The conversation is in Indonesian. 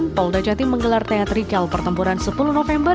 kapolda jatim menggelar teaterikal pertempuran sepuluh november